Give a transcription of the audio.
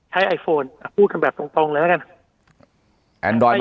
ใช้ไอโฟนพูดกันแบบตรงแล้วกัน